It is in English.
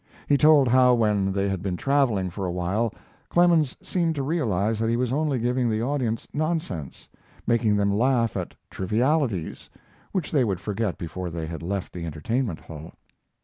He told how when they had been traveling for a while Clemens seemed to realize that he was only giving the audience nonsense; making them laugh at trivialities which they would forget before they had left the entertainment hall.